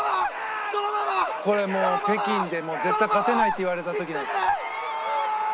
「これもう北京で絶対勝てないって言われた時のです」